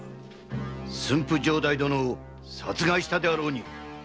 駿府城代殿を殺害したであろうに！